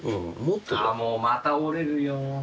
ああもうまた折れるよ。